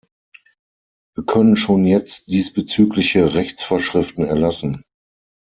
Wir können schon jetzt diesbezügliche Rechtsvorschriften erlassen.